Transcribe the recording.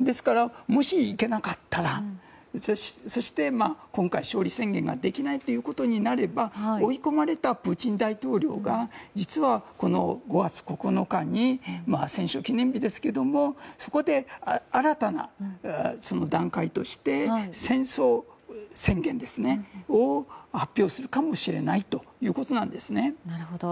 ですから、もし行けなかったらそして今回、勝利宣言ができないということになれば追い込まれたプーチン大統領が実は５月９日に戦勝記念日ですけどもそこで新たな段階として戦争宣言を発表するかもしれないということなんですね。